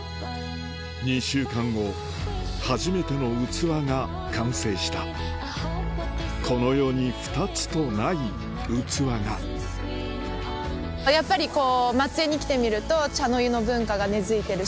２週間後初めての器が完成したこの世に２つとない器がやっぱりこう。